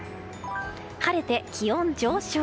晴れて気温上昇。